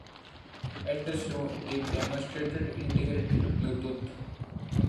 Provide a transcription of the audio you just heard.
At the show, they demonstrated integrated bluetooth.